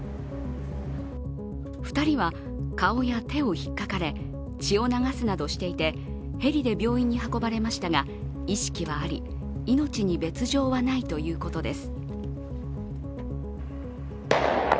２人は顔や手をひっかかれ、血を流すなどしていて、ヘリで病院に運ばれましたが、意識はあり、命に別状はないということです。